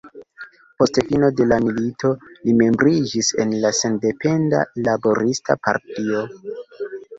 Post fino de la milito, li membriĝis en la Sendependa Laborista Partio.